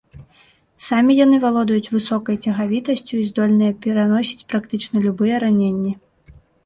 Самі яны валодаюць высокай цягавітасцю і здольныя пераносіць практычна любыя раненні.